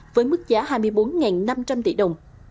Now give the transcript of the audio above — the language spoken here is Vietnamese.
với mức giá hai mươi bốn năm trăm linh tỷ đồng